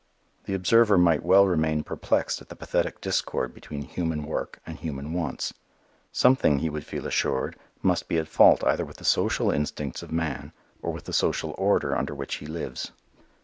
The observer might well remain perplexed at the pathetic discord between human work and human wants. Something, he would feel assured, must be at fault either with the social instincts of man or with the social order under which he lives.